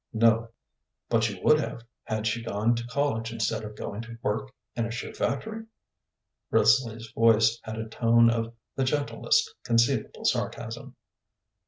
"No." "But you would have, had she gone to college instead of going to work in a shoe factory?" Risley's voice had a tone of the gentlest conceivable sarcasm.